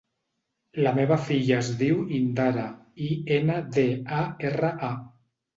La meva filla es diu Indara: i, ena, de, a, erra, a.